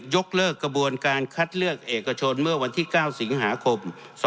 ยกเลิกกระบวนการคัดเลือกเอกชนเมื่อวันที่๙สิงหาคม๒๕๖